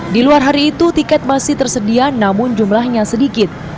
di luar hari itu tiket masih tersedia namun jumlahnya sedikit